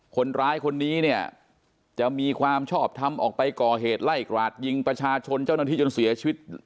คนร้ายคนนี้เนี่ยจะมีความชอบทำออกไปก่อเหตุไล่กราดยิงประชาชนเจ้าหน้าที่จนเสียชีวิต